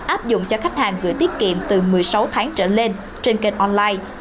áp dụng cho khách hàng gửi tiết kiệm từ một mươi sáu tháng trở lên trên kênh online